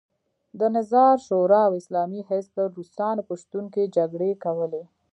د نظار شورا او اسلامي حزب د روسانو په شتون کې جګړې کولې.